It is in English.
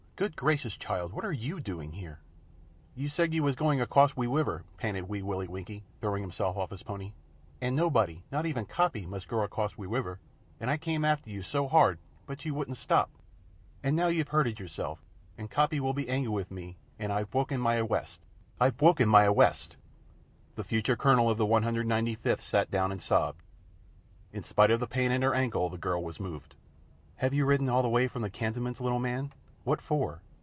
"Good gracious, child, what are you doing here?" "You said you was going acwoss ve wiver," panted Wee Willie Winkie, throwing himself off his pony. "And nobody not even Coppy must go acwoss ve wiver, and I came after you ever so hard, but you wouldn't stop, and now you've hurted yourself, and Coppy will be angwy wiv me, and I've bwoken my awwest! I've bwoken my awwest!" The future Colonel of the 195th sat down and sobbed. In spite of the pain in her ankle the girl was moved. "Have you ridden all the way from cantonments, little man? What for?"